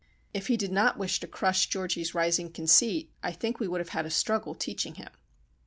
If he did not wish to crush Georgie's rising conceit, I think we would have a struggle teaching him.